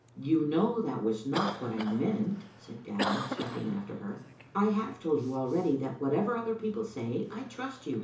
"You know that was not what I meant," said Gavin, stepping after her. " I have told you already that what ever other people say, I trust you.